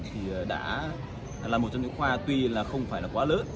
thì đã là một trong những khoa tuy là không phải là quá lớn